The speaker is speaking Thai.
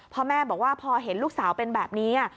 พ่อแม่บอกว่าพอเห็นลูกสาวเป็นแบบนี้